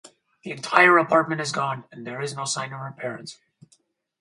The entire apartment is gone and there is no sign of her parents.